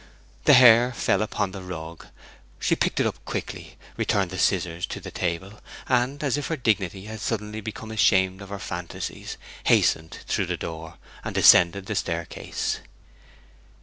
The hair fell upon the rug. She picked it up quickly, returned the scissors to the table, and, as if her dignity had suddenly become ashamed of her fantasies, hastened through the door, and descended the staircase.